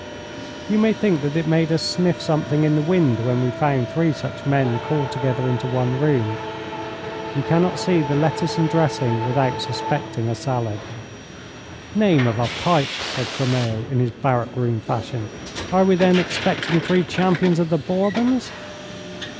You may think that it made us sniff something in the wind when we found three such men called together into one room. You cannot see the lettuce and dressing without suspecting a salad. 'Name of a pipe!' said Tremeau, in his barrack room fashion. 'Are we then expecting three champions of the Bourbons?'